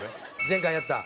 前回やった。